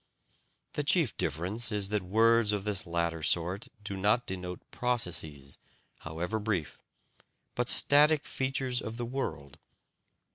The chief difference is that words of this latter sort do not denote processes, however brief, but static features of the world.